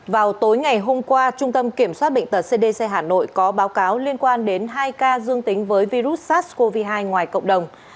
vào tối ngày hôm qua trung tâm kiểm soát bệnh tật cdc hà nội có báo cáo liên quan đến hai ca dương tính với virus sars cov hai ngoài cộng đồng